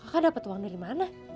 kakak dapet uang dari mana